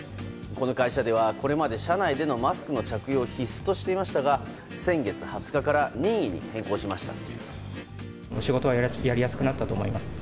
この会社ではこれまで社内でのマスクの着用を必須としていましたが先月２０日から任意に変更しました。